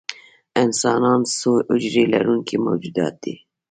انسانان څو حجرې لرونکي موجودات دي